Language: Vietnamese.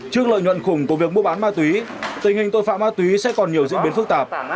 trước lợi nhuận khủng của việc mua bán ma túy tình hình tội phạm ma túy sẽ còn nhiều diễn biến phức tạp